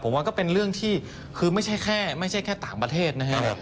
ผมว่าก็เป็นเรื่องที่คือไม่ใช่แค่ต่างประเทศนะฮะ